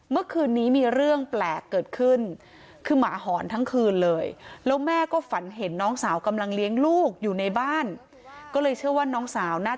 เมื่อคืนนี้มีเรื่องแปลกเกิดขึ้น